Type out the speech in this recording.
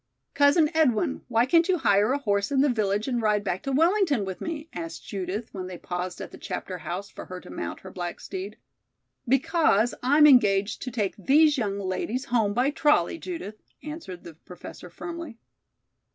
"Cousin Edwin, why can't you hire a horse in the village and ride back to Wellington with me?" asked Judith, when they paused at the Chapter House for her to mount her black steed. "Because I'm engaged to take these young ladies home by trolley, Judith," answered the Professor firmly.